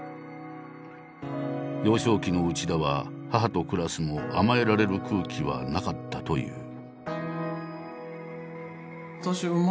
幼少期の内田は母と暮らすも甘えられる空気はなかったという。